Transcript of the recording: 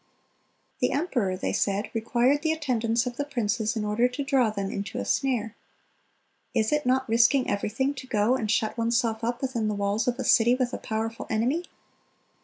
The emperor, they said, required the attendance of the princes in order to draw them into a snare. "Is it not risking everything to go and shut oneself up within the walls of a city with a powerful enemy?"